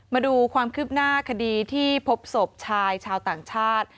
มาดูความคืบหน้าคดีที่พบศพชายชาวต่างชาติ